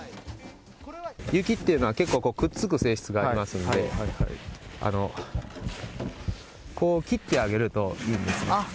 雪っていうのは、結構くっつく性質がありますんで、こう、切ってあげるといいんですね。